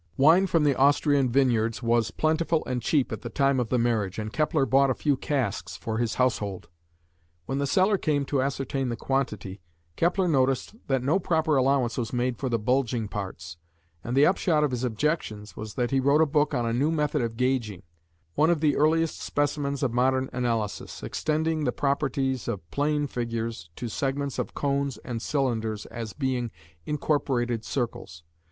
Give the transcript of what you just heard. Wine from the Austrian vineyards was plentiful and cheap at the time of the marriage, and Kepler bought a few casks for his household. When the seller came to ascertain the quantity, Kepler noticed that no proper allowance was made for the bulging parts, and the upshot of his objections was that he wrote a book on a new method of gauging one of the earliest specimens of modern analysis, extending the properties of plane figures to segments of cones and cylinders as being "incorporated circles".